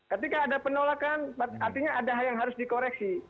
ketika ada penolakan artinya ada hal yang harus dikoreksi